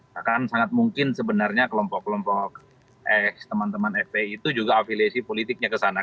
bahkan sangat mungkin sebenarnya kelompok kelompok ex teman teman fpi itu juga afiliasi politiknya ke sana